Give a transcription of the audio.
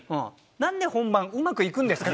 なんで本番うまくいくんですか？